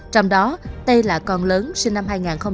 trong đó tê là con lớn sinh năm hai nghìn sáu